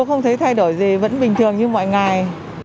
không thấy thay đổi gì vẫn bình thường như mọi ngày